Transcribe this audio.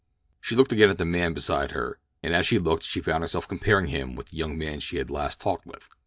She looked again at the man beside her, and as she looked she found herself comparing him with the young man she had last talked with.